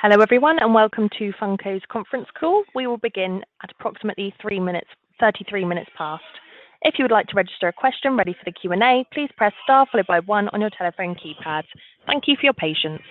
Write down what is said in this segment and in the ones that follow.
Hello everyone, and welcome to Funko's conference call. We will begin at approximately 33 minutes past. If you would like to register a question ready for the Q&A, please press Star followed by one on your telephone keypad. Thank you for your patience.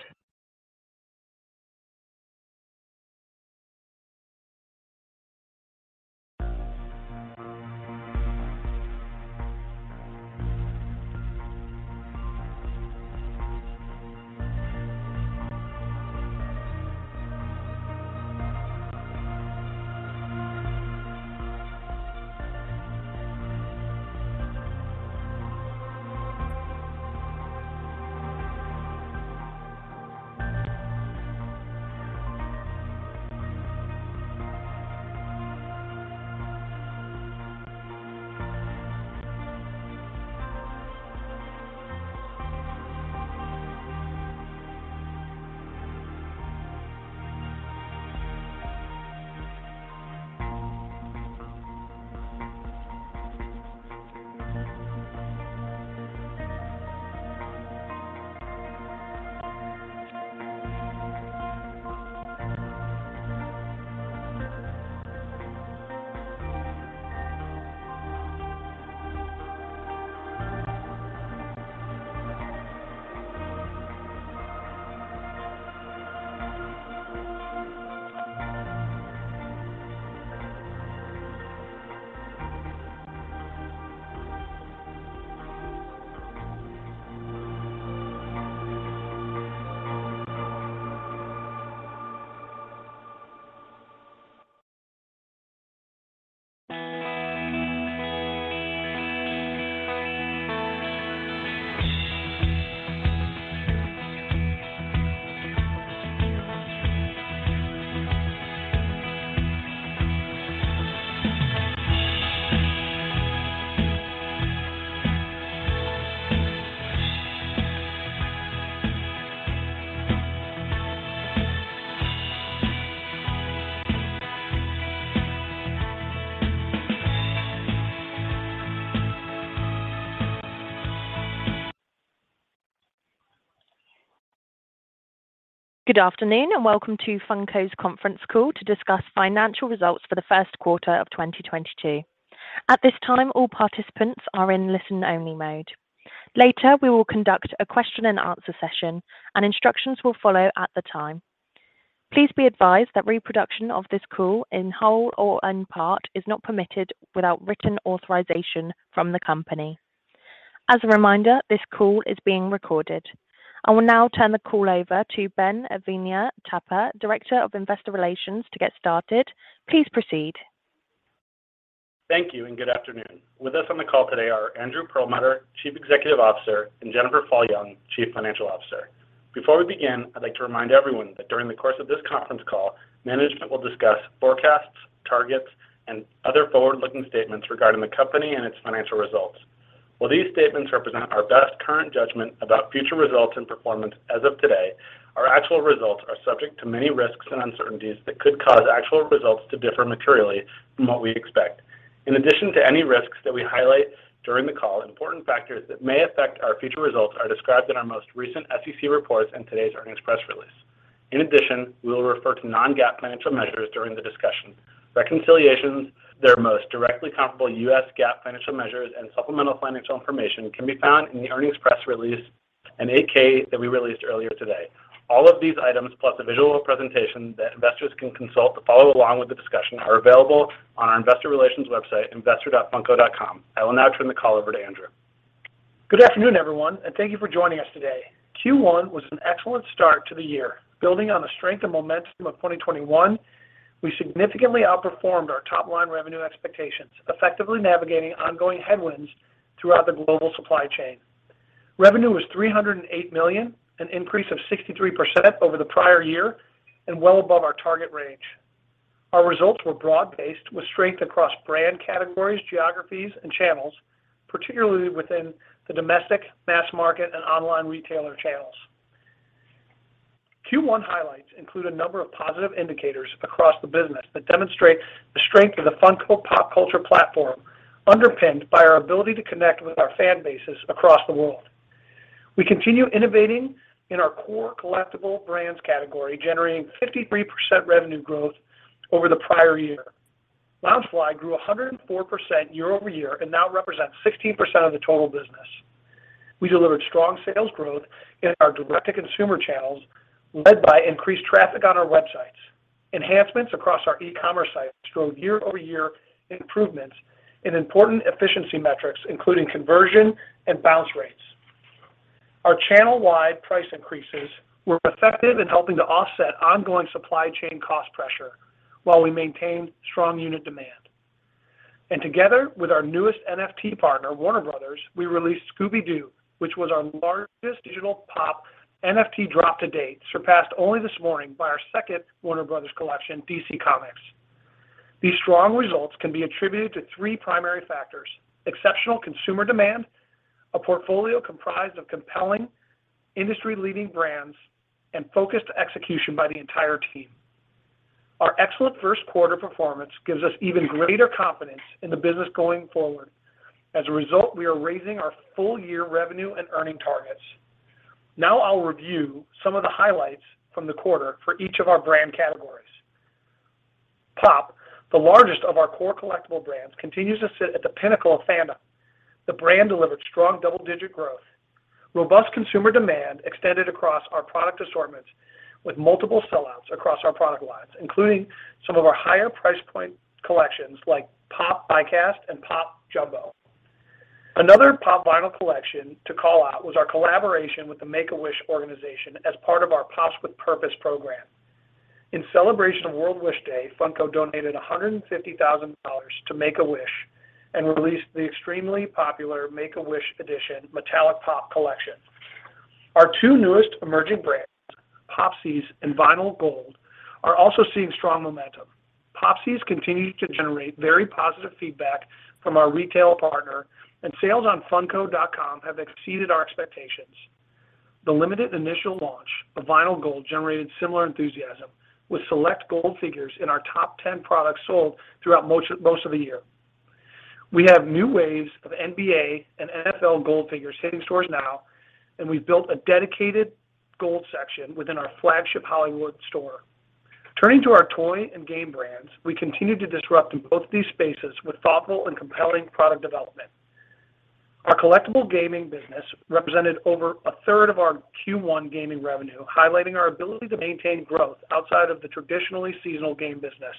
Good afternoon, and welcome to Funko's conference call to discuss financial results for the first quarter of 2022. At this time, all participants are in listen-only mode. Later, we will conduct a question and answer session and instructions will follow at the time. Please be advised that reproduction of this call in whole or in part is not permitted without written authorization from the company. As a reminder, this call is being recorded. I will now turn the call over to Ben Avenia-Tapper, Director of Investor Relations to get started. Please proceed. Thank you and good afternoon. With us on the call today are Andrew Perlmutter, Chief Executive Officer, and Jennifer Fall Jung, Chief Financial Officer. Before we begin, I'd like to remind everyone that during the course of this conference call, management will discuss forecasts, targets, and other forward-looking statements regarding the company and its financial results. While these statements represent our best current judgment about future results and performance as of today, our actual results are subject to many risks and uncertainties that could cause actual results to differ materially from what we expect. In addition to any risks that we highlight during the call, important factors that may affect our future results are described in our most recent SEC reports and today's earnings press release. In addition, we will refer to non-GAAP financial measures during the discussion. Reconciliations to their most directly comparable US GAAP financial measures and supplemental financial information can be found in the earnings press release and 8-K that we released earlier today. All of these items, plus a visual presentation that investors can consult to follow along with the discussion, are available on our investor relations website, investor.funko.com. I will now turn the call over to Andrew. Good afternoon, everyone, and thank you for joining us today. Q1 was an excellent start to the year. Building on the strength and momentum of 2021, we significantly outperformed our top line revenue expectations, effectively navigating ongoing headwinds throughout the global supply chain. Revenue was $308 million, an increase of 63% over the prior year and well above our target range. Our results were broad-based with strength across brand categories, geographies, and channels, particularly within the domestic mass market and online retailer channels. Q1 highlights include a number of positive indicators across the business that demonstrate the strength of the Funko pop culture platform, underpinned by our ability to connect with our fan bases across the world. We continue innovating in our core collectible brands category, generating 53% revenue growth over the prior year. Loungefly grew 104% year-over-year and now represents 16% of the total business. We delivered strong sales growth in our direct-to-consumer channels, led by increased traffic on our websites. Enhancements across our e-commerce sites drove year-over-year improvements in important efficiency metrics, including conversion and bounce rates. Our channel-wide price increases were effective in helping to offset ongoing supply chain cost pressure while we maintained strong unit demand. Together with our newest NFT partner, Warner Bros., we released Scooby Doo, which was our largest digital Pop NFT drop to date, surpassed only this morning by our second Warner Bros. collection, DC Comics. These strong results can be attributed to three primary factors, exceptional consumer demand, a portfolio comprised of compelling industry-leading brands, and focused execution by the entire team. Our excellent first quarter performance gives us even greater confidence in the business going forward. As a result, we are raising our full year revenue and earning targets. Now I'll review some of the highlights from the quarter for each of our brand categories. Pop, the largest of our core collectible brands, continues to sit at the pinnacle of fandom. The brand delivered strong double-digit growth. Robust consumer demand extended across our product assortments with multiple sellouts across our product lines, including some of our higher price point collections like Pop! Die-Cast and Pop! Jumbo. Another Pop! Vinyl collection to call out was our collaboration with the Make-A-Wish organization as part of our Pops with Purpose program. In celebration of World Wish Day, Funko donated $150,000 to Make-A-Wish and released the extremely popular Make-A-Wish edition Metallic Pop! collection. Our two newest emerging brands, Popsies and Vinyl GOLD, are also seeing strong momentum. Popsies continue to generate very positive feedback from our retail partner, and sales on funko.com have exceeded our expectations. The limited initial launch of Vinyl GOLD generated similar enthusiasm with select GOLD figures in our top 10 products sold throughout most of the year. We have new waves of NBA and NFL GOLD figures hitting stores now, and we've built a dedicated GOLD section within our flagship Hollywood store. Turning to our toy and game brands, we continue to disrupt in both these spaces with thoughtful and compelling product development. Our collectible gaming business represented over a third of our Q1 gaming revenue, highlighting our ability to maintain growth outside of the traditionally seasonal game business.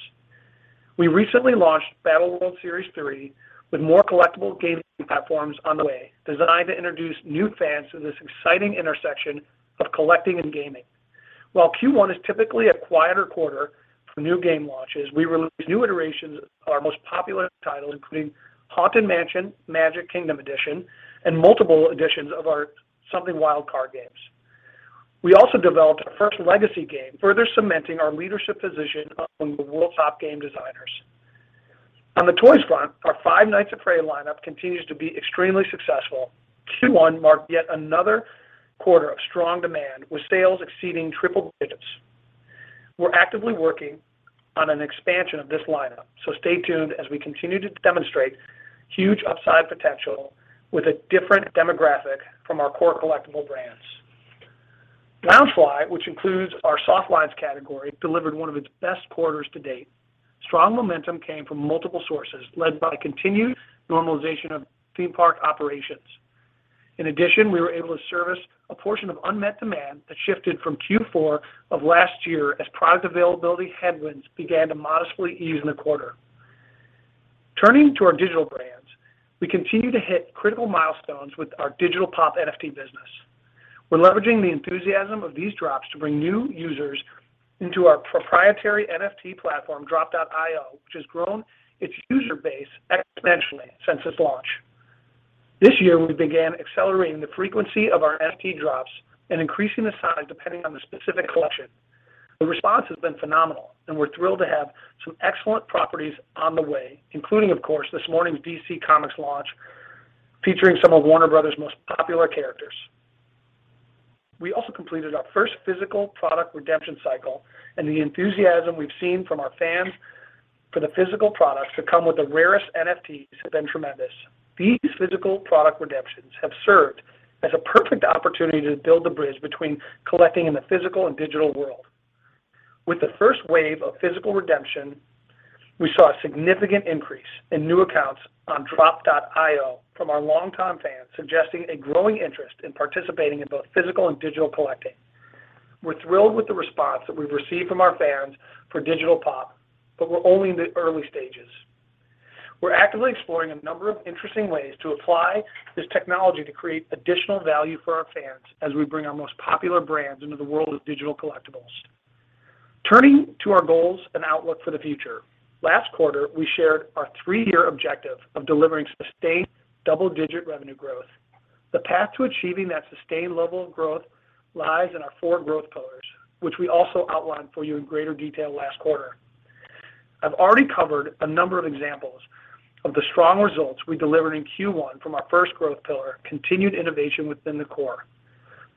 We recently launched Marvel Battleworld: Series 3 with more collectible gaming platforms on the way, designed to introduce new fans to this exciting intersection of collecting and gaming. While Q1 is typically a quieter quarter for new game launches, we released new iterations of our most popular titles, including Haunted Mansion: Magic Kingdom Park Edition, and multiple editions of our Something Wild! card games. We also developed our first legacy game, further cementing our leadership position among the world's top game designers. On the toys front, our Five Nights at Freddy's lineup continues to be extremely successful. Q1 marked yet another quarter of strong demand with sales exceeding triple digits. We're actively working on an expansion of this lineup, so stay tuned as we continue to demonstrate huge upside potential with a different demographic from our core collectible brands. Loungefly, which includes our soft lines category, delivered one of its best quarters to date. Strong momentum came from multiple sources, led by continued normalization of theme park operations. In addition, we were able to service a portion of unmet demand that shifted from Q4 of last year as product availability headwinds began to modestly ease in the quarter. Turning to our digital brands, we continue to hit critical milestones with our Digital Pop! NFT business. We're leveraging the enthusiasm of these drops to bring new users into our proprietary NFT platform, Droppp.io, which has grown its user base exponentially since its launch. This year, we began accelerating the frequency of our NFT drops and increasing the size depending on the specific collection. The response has been phenomenal, and we're thrilled to have some excellent properties on the way, including, of course, this morning's DC Comics launch featuring some of Warner Brothers most popular characters. We also completed our first physical product redemption cycle, and the enthusiasm we've seen from our fans for the physical products to come with the rarest NFTs has been tremendous. These physical product redemptions have served as a perfect opportunity to build a bridge between collecting in the physical and digital world. With the first wave of physical redemption, we saw a significant increase in new accounts on Droppp.io from our longtime fans, suggesting a growing interest in participating in both physical and digital collecting. We're thrilled with the response that we've received from our fans for Digital Pop, but we're only in the early stages. We're actively exploring a number of interesting ways to apply this technology to create additional value for our fans as we bring our most popular brands into the world of digital collectibles. Turning to our goals and outlook for the future, last quarter, we shared our three-year objective of delivering sustained double-digit revenue growth. The path to achieving that sustained level of growth lies in our four growth pillars, which we also outlined for you in greater detail last quarter. I've already covered a number of examples of the strong results we delivered in Q1 from our first growth pillar, continued innovation within the core.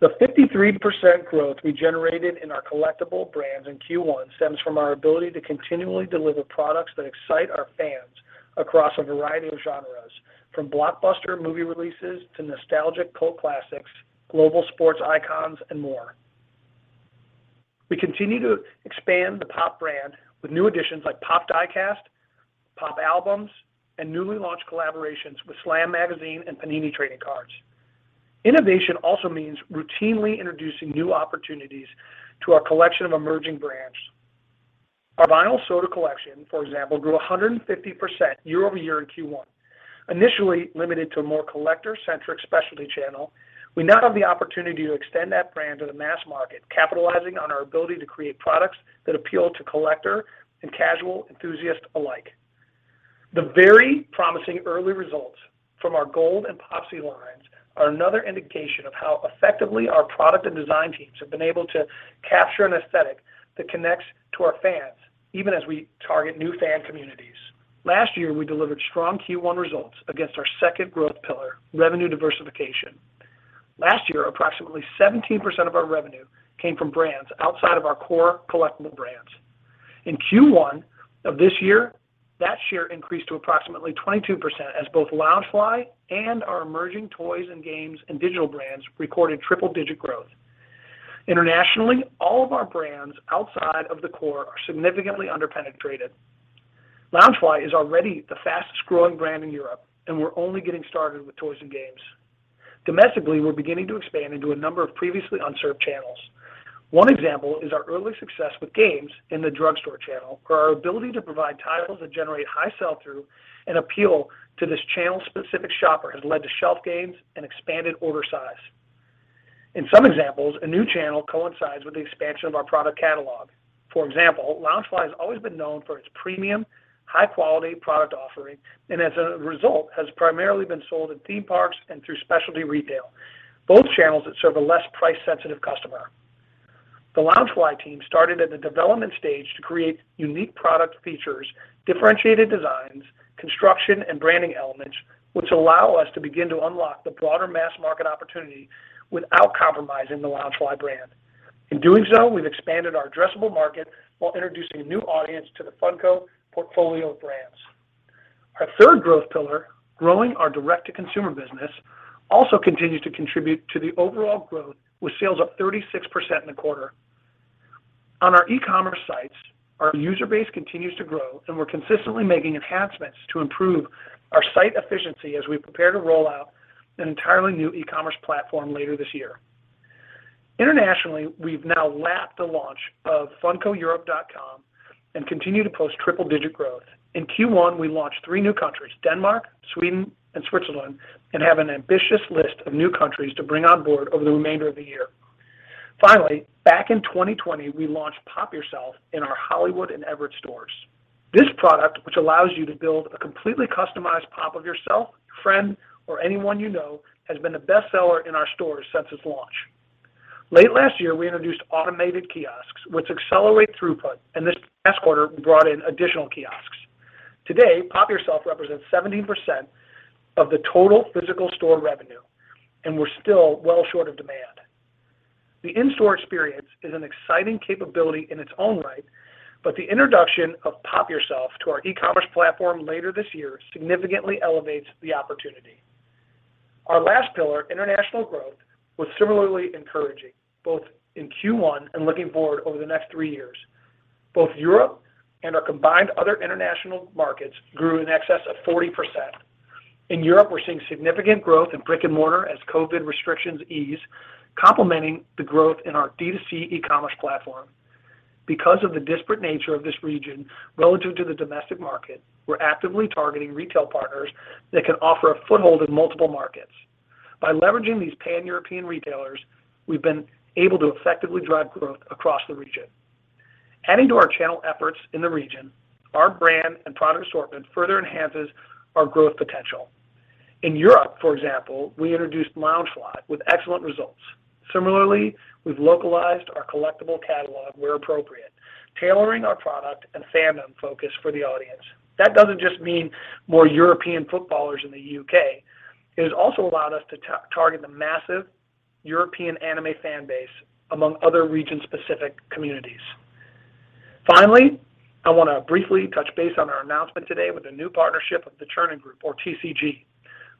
The 53% growth we generated in our collectible brands in Q1 stems from our ability to continually deliver products that excite our fans across a variety of genres, from blockbuster movie releases to nostalgic cult classics, global sports icons, and more. We continue to expand the Pop! brand with new additions like Pop! Die-Cast, Pop! Albums, and newly launched collaborations with SLAM Magazine and Panini Trading Cards. Innovation also means routinely introducing new opportunities to our collection of emerging brands. Our Vinyl Soda collection, for example, grew 150% year-over-year in Q1. Initially limited to a more collector-centric specialty channel, we now have the opportunity to extend that brand to the mass market, capitalizing on our ability to create products that appeal to collector and casual enthusiast alike. The very promising early results from our Gold and Popsies lines are another indication of how effectively our product and design teams have been able to capture an aesthetic that connects to our fans, even as we target new fan communities. Last year, we delivered strong Q1 results against our second growth pillar, revenue diversification. Last year, approximately 17% of our revenue came from brands outside of our core collectible brands. In Q1 of this year, that share increased to approximately 22% as both Loungefly and our emerging toys and games and digital brands recorded triple-digit growth. Internationally, all of our brands outside of the core are significantly under-penetrated. Loungefly is already the fastest-growing brand in Europe, and we're only getting started with toys and games. Domestically, we're beginning to expand into a number of previously unserved channels. One example is our early success with games in the drugstore channel, where our ability to provide titles that generate high sell-through and appeal to this channel-specific shopper has led to shelf gains and expanded order size. In some examples, a new channel coincides with the expansion of our product catalog. For example, Loungefly has always been known for its premium, high-quality product offering, and as a result, has primarily been sold at theme parks and through specialty retail, both channels that serve a less price-sensitive customer. The Loungefly team started at the development stage to create unique product features, differentiated designs, construction, and branding elements, which allow us to begin to unlock the broader mass market opportunity without compromising the Loungefly brand. In doing so, we've expanded our addressable market while introducing a new audience to the Funko portfolio of brands. Our third growth pillar, growing our direct-to-consumer business, also continues to contribute to the overall growth, with sales up 36% in the quarter. On our e-commerce sites, our user base continues to grow, and we're consistently making enhancements to improve our site efficiency as we prepare to roll out an entirely new e-commerce platform later this year. Internationally, we've now lapped the launch of FunkoEurope.com and continue to post triple-digit growth. In Q1, we launched three new countries, Denmark, Sweden, and Switzerland, and have an ambitious list of new countries to bring on board over the remainder of the year. Finally, back in 2020, we launched Pop! Yourself in our Hollywood and Everett stores. This product, which allows you to build a completely customized Pop! of yourself, friend, or anyone you know, has been a bestseller in our stores since its launch. Late last year, we introduced automated kiosks, which accelerate throughput, and this past quarter, we brought in additional kiosks. Today, Pop! Yourself represents 17% of the total physical store revenue, and we're still well short of demand. The in-store experience is an exciting capability in its own right, but the introduction of Pop! Yourself to our e-commerce platform later this year significantly elevates the opportunity. Our last pillar, international growth, was similarly encouraging, both in Q1 and looking forward over the next three years. Both Europe and our combined other international markets grew in excess of 40%. In Europe, we're seeing significant growth in brick-and-mortar as COVID restrictions ease, complementing the growth in our D2C e-commerce platform. Because of the disparate nature of this region relative to the domestic market, we're actively targeting retail partners that can offer a foothold in multiple markets. By leveraging these pan-European retailers, we've been able to effectively drive growth across the region. Adding to our channel efforts in the region, our brand and product assortment further enhances our growth potential. In Europe, for example, we introduced Loungefly with excellent results. Similarly, we've localized our collectible catalog where appropriate, tailoring our product and fandom focus for the audience. That doesn't just mean more European footballers in the UK. It has also allowed us to target the massive European anime fan base among other region-specific communities. Finally, I want to briefly touch base on our announcement today with the new partnership of The Chernin Group, or TCG.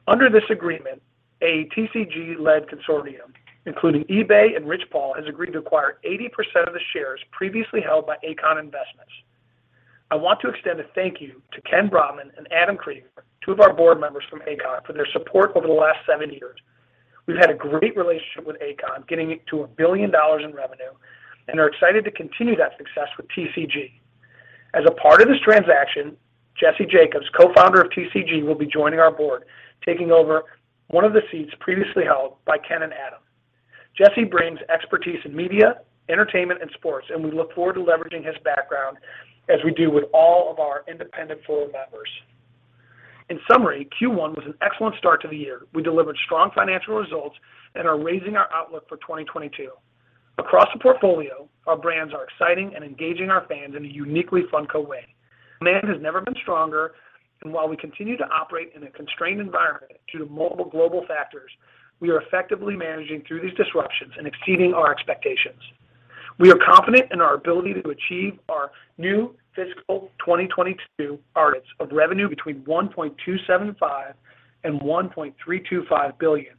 Under this agreement, a TCG-led consortium, including eBay and Rich Paul, has agreed to acquire 80% of the shares previously held by ACON Investments. I want to extend a thank you to Ken Brotman and Adam Kriger, two of our board members from ACON, for their support over the last seven years. We've had a great relationship with ACON, getting it to $1 billion in revenue, and are excited to continue that success with TCG. As a part of this transaction, Jesse Jacobs, co-founder of TCG, will be joining our board, taking over one of the seats previously held by Ken and Adam. Jesse brings expertise in media, entertainment, and sports, and we look forward to leveraging his background as we do with all of our independent board members. In summary, Q1 was an excellent start to the year. We delivered strong financial results and are raising our outlook for 2022. Across the portfolio, our brands are exciting and engaging our fans in a uniquely Funko way. Demand has never been stronger, and while we continue to operate in a constrained environment due to multiple global factors, we are effectively managing through these disruptions and exceeding our expectations. We are confident in our ability to achieve our new fiscal 2022 targets of revenue between $1.275 billion and $1.325 billion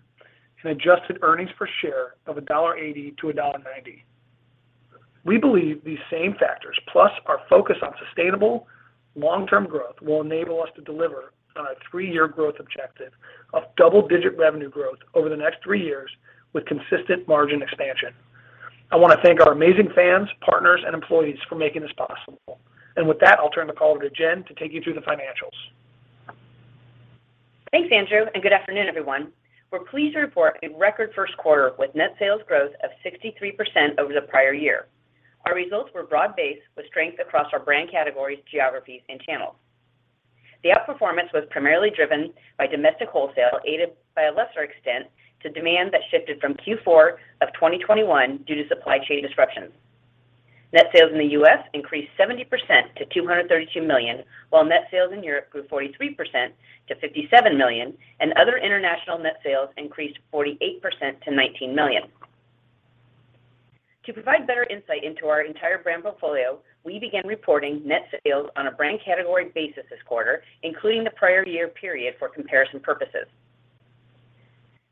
and adjusted earnings per share of $1.80-$1.90. We believe these same factors, plus our focus on sustainable long-term growth, will enable us to deliver on our three-year growth objective of double-digit revenue growth over the next three years with consistent margin expansion. I want to thank our amazing fans, partners, and employees for making this possible. With that, I'll turn the call over to Jen to take you through the financials. Thanks, Andrew, and good afternoon, everyone. We're pleased to report a record first quarter with net sales growth of 63% over the prior year. Our results were broad-based with strength across our brand categories, geographies, and channels. The outperformance was primarily driven by domestic wholesale, aided, to a lesser extent, by demand that shifted from Q4 of 2021 due to supply chain disruptions. Net sales in the U.S. increased 70% to $232 million, while net sales in Europe grew 43% to $57 million, and other international net sales increased 48% to $19 million. To provide better insight into our entire brand portfolio, we began reporting net sales on a brand category basis this quarter, including the prior year period for comparison purposes.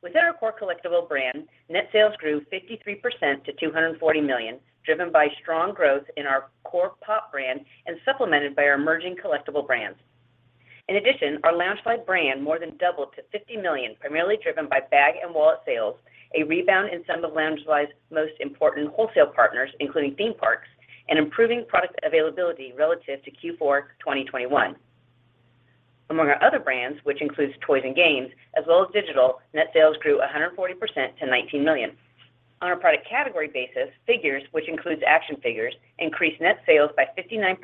Within our core collectible brand, net sales grew 53% to $240 million, driven by strong growth in our core Pop! brand and supplemented by our emerging collectible brands. In addition, our Loungefly brand more than doubled to $50 million, primarily driven by bag and wallet sales, a rebound in some of Loungefly's most important wholesale partners, including theme parks and improving product availability relative to Q4 2020-2021. Among our other brands, which includes toys and games, as well as digital, net sales grew 140% to $19 million. On a product category basis, figures which includes action figures, increased net sales by 59%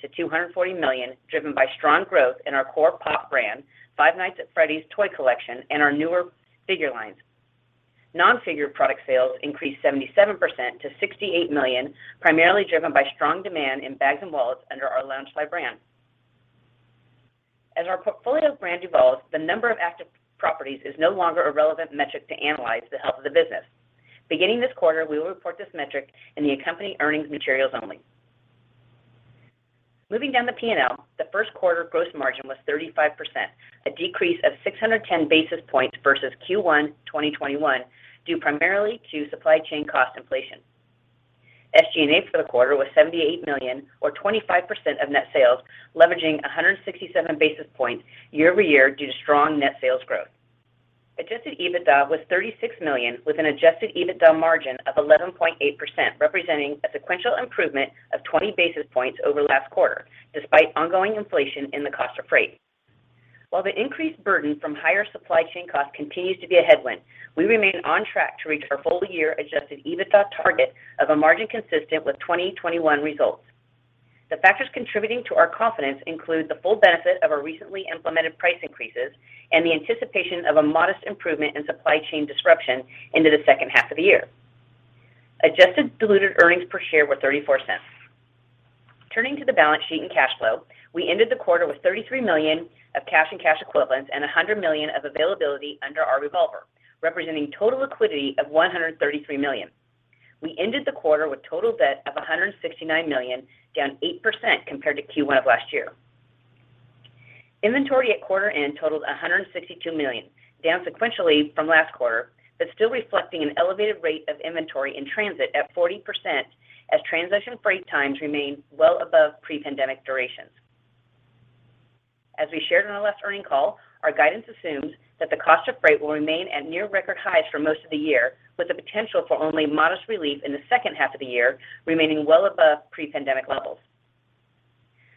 to $240 million, driven by strong growth in our core Pop! brand, Five Nights at Freddy's toy collection, and our newer figure lines. Non-figure product sales increased 77% to $68 million, primarily driven by strong demand in bags and wallets under our Loungefly brand. As our portfolio of brand evolves, the number of active properties is no longer a relevant metric to analyze the health of the business. Beginning this quarter, we will report this metric in the accompanying earnings materials only. Moving down the P&L, the first quarter gross margin was 35%, a decrease of 610 basis points versus Q1 2021, due primarily to supply chain cost inflation. SG&A for the quarter was $78 million or 25% of net sales, leveraging 167 basis points year-over-year due to strong net sales growth. Adjusted EBITDA was $36 million, with an adjusted EBITDA margin of 11.8%, representing a sequential improvement of 20 basis points over last quarter, despite ongoing inflation in the cost of freight. While the increased burden from higher supply chain costs continues to be a headwind, we remain on track to reach our full year adjusted EBITDA target of a margin consistent with 2021 results. The factors contributing to our confidence include the full benefit of our recently implemented price increases and the anticipation of a modest improvement in supply chain disruption into the second half of the year. Adjusted diluted earnings per share were $0.34. Turning to the balance sheet and cash flow, we ended the quarter with $33 million of cash and cash equivalents and $100 million of availability under our revolver, representing total liquidity of $133 million. We ended the quarter with total debt of $169 million, down 8% compared to Q1 of last year. Inventory at quarter end totaled $162 million, down sequentially from last quarter, but still reflecting an elevated rate of inventory in transit at 40% as transition freight times remain well above pre-pandemic durations. As we shared on our last earnings call, our guidance assumes that the cost of freight will remain at near record highs for most of the year, with the potential for only modest relief in the second half of the year remaining well above pre-pandemic levels.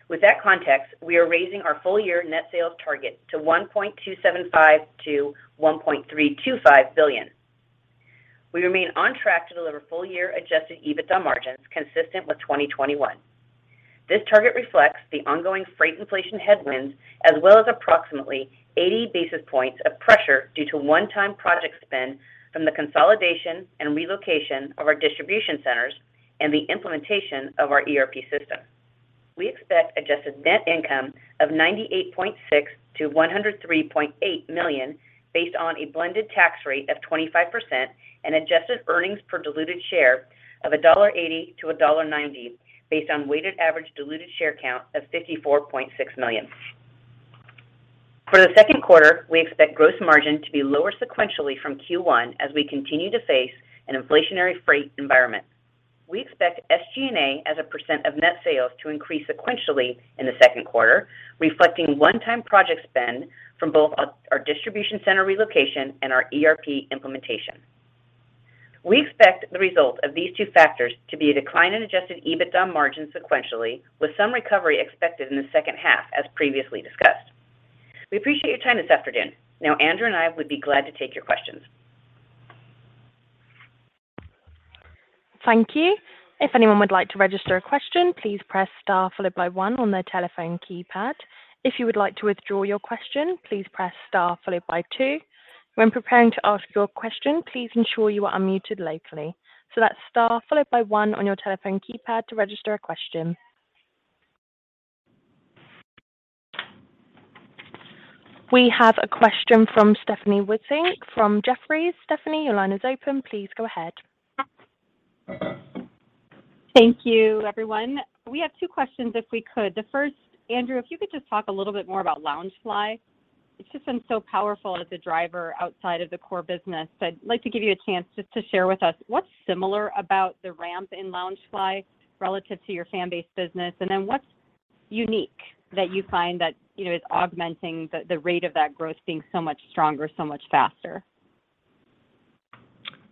With that context, we are raising our full year net sales target to $1.275 billion-$1.325 billion. We remain on track to deliver full year adjusted EBITDA margins consistent with 2021. This target reflects the ongoing freight inflation headwinds as well as approximately 80 basis points of pressure due to one-time project spend from the consolidation and relocation of our distribution centers and the implementation of our ERP system. We expect adjusted net income of $98.6 million-$103.8 million based on a blended tax rate of 25% and adjusted earnings per diluted share of $1.80-$1.90 based on weighted average diluted share count of 54.6 million. For the second quarter, we expect gross margin to be lower sequentially from Q1 as we continue to face an inflationary freight environment. We expect SG&A as a percent of net sales to increase sequentially in the second quarter, reflecting one-time project spend from both our distribution center relocation and our ERP implementation. We expect the result of these two factors to be a decline in Adjusted EBITDA margin sequentially, with some recovery expected in the second half as previously discussed. We appreciate your time this afternoon. Now Andrew and I would be glad to take your questions. Thank you. If anyone would like to register a question, please press star followed by one on their telephone keypad. If you would like to withdraw your question, please press star followed by two. When preparing to ask your question, please ensure you are unmuted locally. That's star followed by one on your telephone keypad to register a question. We have a question from Stephanie Wissink from Jefferies. Stephanie, your line is open. Please go ahead. Thank you, everyone. We have two questions, if we could. The first, Andrew, if you could just talk a little bit more about Loungefly. It's just been so powerful as a driver outside of the core business. I'd like to give you a chance just to share with us what's similar about the ramp in Loungefly relative to your fan-based business, and then what's unique that you find that, you know, is augmenting the rate of that growth being so much stronger, so much faster?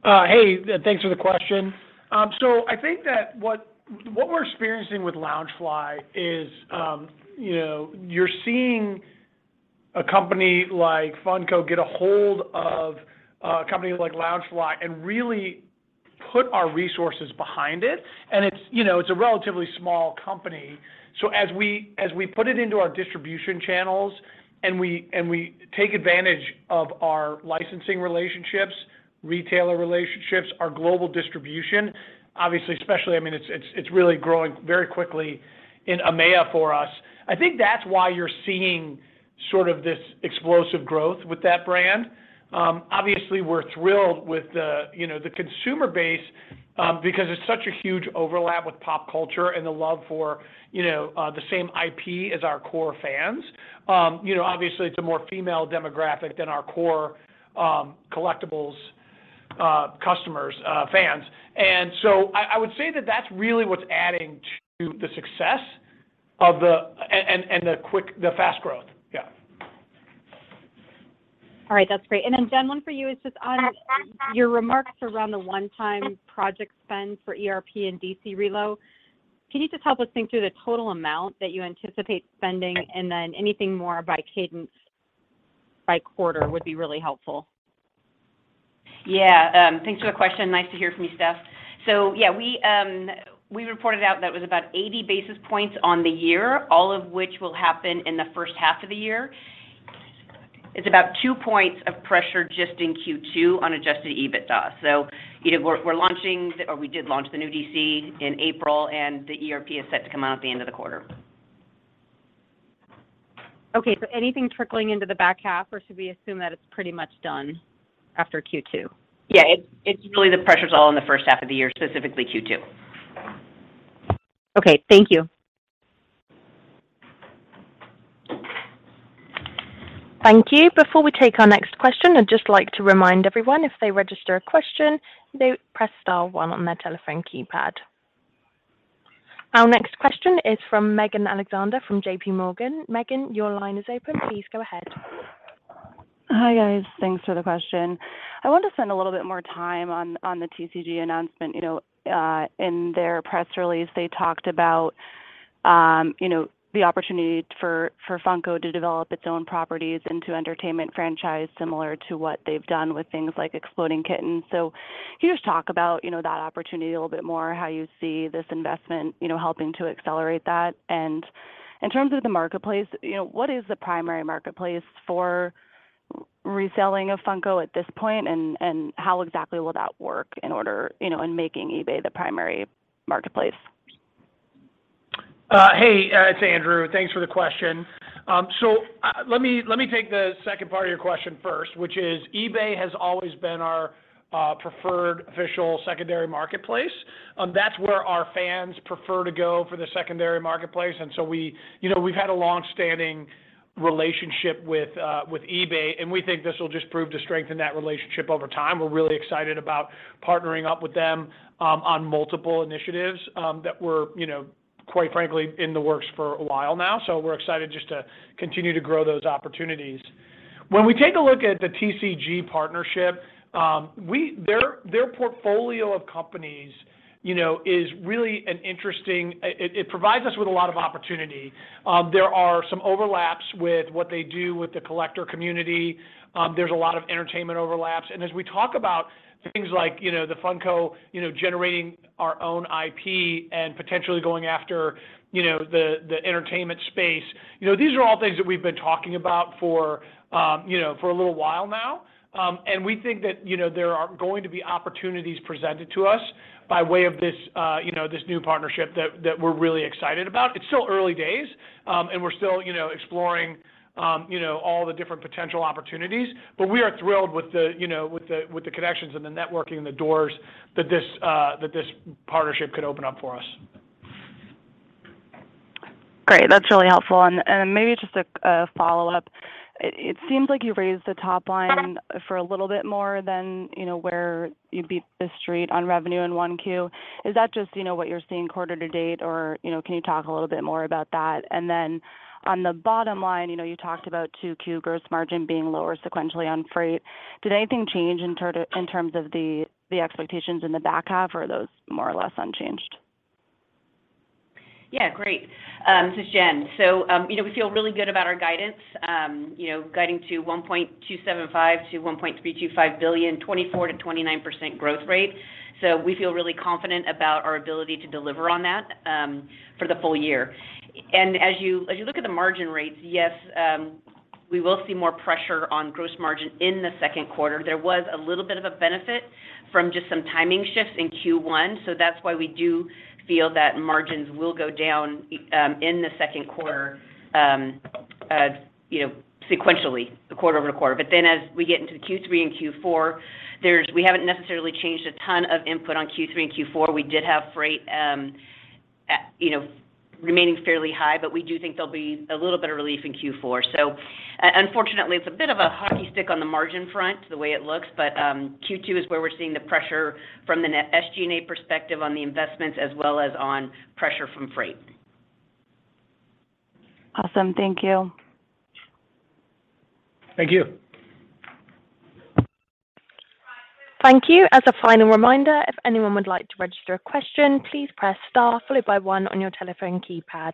Hey, thanks for the question. I think that what we're experiencing with Loungefly is, you know, you're seeing a company like Funko get a hold of a company like Loungefly and really put our resources behind it. It's, you know, it's a relatively small company. As we put it into our distribution channels and we take advantage of our licensing relationships, retailer relationships, our global distribution, obviously, especially, I mean, it's really growing very quickly in EMEA for us. I think that's why you're seeing sort of this explosive growth with that brand. Obviously, we're thrilled with the, you know, the consumer base, because it's such a huge overlap with pop culture and the love for, you know, the same IP as our core fans. You know, obviously, it's a more female demographic than our core collectibles customers, fans. I would say that that's really what's adding to the success and the fast growth. Yeah. All right, that's great. Jen, one for you is just on your remarks around the one-time project spend for ERP and DC relo. Can you just help us think through the total amount that you anticipate spending, and then anything more by cadence by quarter would be really helpful. Yeah. Thanks for the question. Nice to hear from you, Steph. Yeah, we reported out that was about 80 basis points on the year, all of which will happen in the first half of the year. It's about 2 points of pressure just in Q2 on Adjusted EBITDA. You know, we're launching or we did launch the new DC in April, and the ERP is set to come out at the end of the quarter. Okay. Anything trickling into the back half, or should we assume that it's pretty much done after Q2? Yeah. It's really the pressure's all in the first half of the year, specifically Q2. Okay. Thank you. Thank you. Before we take our next question, I'd just like to remind everyone if they register a question, they press star one on their telephone keypad. Our next question is from Megan Alexander from JPMorgan. Megan, your line is open. Please go ahead. Hi, guys. Thanks for the question. I want to spend a little bit more time on the TCG announcement. You know, in their press release, they talked about, you know, the opportunity for Funko to develop its own properties into entertainment franchise similar to what they've done with things like Exploding Kittens. So can you just talk about, you know, that opportunity a little bit more, how you see this investment, you know, helping to accelerate that? And in terms of the marketplace, you know, what is the primary marketplace for reselling of Funko at this point? And how exactly will that work in order, you know, in making eBay the primary marketplace? Hey, it's Andrew. Thanks for the question. So, let me take the second part of your question first, which is eBay has always been our preferred official secondary marketplace. That's where our fans prefer to go for the secondary marketplace. We, you know, we've had a long-standing relationship with eBay, and we think this will just prove to strengthen that relationship over time. We're really excited about partnering up with them on multiple initiatives that were, you know, quite frankly, in the works for a while now. We're excited just to continue to grow those opportunities. When we take a look at the TCG partnership, their portfolio of companies, you know, is really interesting. It provides us with a lot of opportunity. There are some overlaps with what they do with the collector community. There's a lot of entertainment overlaps. As we talk about things like, you know, the Funko, you know, generating our own IP and potentially going after, you know, the entertainment space, you know, these are all things that we've been talking about for, you know, for a little while now. We think that, you know, there are going to be opportunities presented to us by way of this, you know, this new partnership that we're really excited about. It's still early days, and we're still, you know, exploring, you know, all the different potential opportunities. We are thrilled with the, you know, with the connections and the networking and the doors that this partnership could open up for us. Great. That's really helpful. Maybe just a follow-up. It seems like you raised the top line for a little bit more than, you know, where you'd beat the street on revenue in 1Q. Is that just, you know, what you're seeing quarter to date or, you know, can you talk a little bit more about that? Then on the bottom line, you know, you talked about 2Q gross margin being lower sequentially on freight. Did anything change in terms of the expectations in the back half, or are those more or less unchanged? Yeah, great. This is Jen. You know, we feel really good about our guidance, you know, guiding to $1.275 billion-$1.325 billion, 24%-29% growth rate. We feel really confident about our ability to deliver on that, for the full year. As you look at the margin rates, yes, we will see more pressure on gross margin in the second quarter. There was a little bit of a benefit from just some timing shifts in Q1, so that's why we do feel that margins will go down, in the second quarter, you know, sequentially, quarter-over-quarter. As we get into Q3 and Q4, we haven't necessarily changed a ton of input on Q3 and Q4. We did have freight, you know, remaining fairly high, but we do think there'll be a little bit of relief in Q4. Unfortunately, it's a bit of a hockey stick on the margin front, the way it looks. Q2 is where we're seeing the pressure from the net SG&A perspective on the investments as well as on pressure from freight. Awesome. Thank you. Thank you. Thank you. As a final reminder, if anyone would like to register a question, please press star followed by one on your telephone keypad.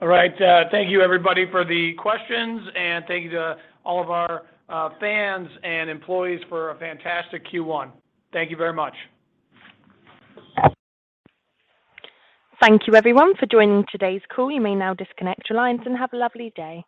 All right. Thank you everybody for the questions, and thank you to all of our fans and employees for a fantastic Q1. Thank you very much. Thank you everyone for joining today's call. You may now disconnect your lines and have a lovely day.